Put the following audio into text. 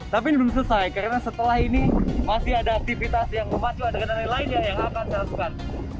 tapi ini belum selesai karena setelah ini masih ada aktivitas yang memacu adrenal lainnya yang akan saya lakukan